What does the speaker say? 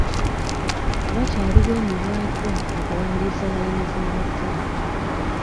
Wakyaliwo emiwaatwa mu kuwandiisa layini z'amasimu.